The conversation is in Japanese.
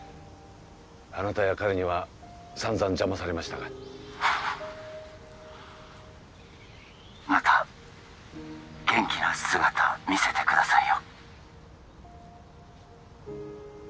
あなたや彼には散々邪魔されましたがフッまた元気な姿見せてくださいよ・